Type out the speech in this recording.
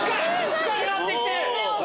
近くなってきてる。